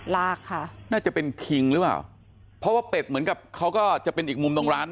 ลากค่ะน่าจะเป็นคิงหรือเปล่าเพราะว่าเป็ดเหมือนกับเขาก็จะเป็นอีกมุมตรงร้าน